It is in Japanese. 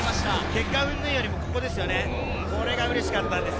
結果云々よりもここです、これがうれしかったんです。